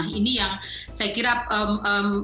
nah ini yang saya kira ini adalah hal yang sangat penting